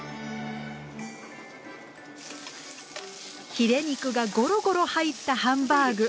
ヒレ肉がゴロゴロ入ったハンバーグ。